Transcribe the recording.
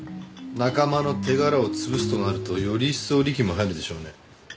仲間の手柄を潰すとなるとより一層力も入るでしょうね。